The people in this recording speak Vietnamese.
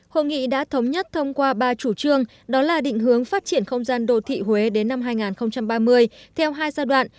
hội nghị đã thống nhất thông qua ba chủ trương đó là định hướng phát triển không gian đô thị huế đến năm hai nghìn ba mươi theo hai giai đoạn